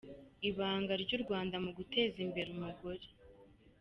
Ibanga ry’ u Rwanda mu guteza imbere umugore….